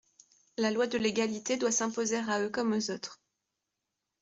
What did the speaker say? La loi de l’égalité doit s’imposer à eux comme aux autres.